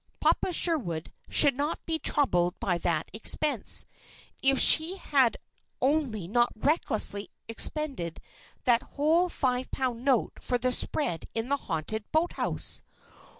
"Papa Sherwood" should not be troubled by that expense! If she only had not recklessly expended that whole five pound note for the spread in the haunted boathouse!